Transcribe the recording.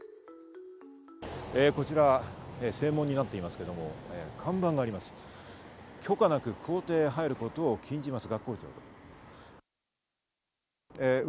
こちら正門になっていますけれども、看板があります、「許可なく校庭へ入ることを禁じます。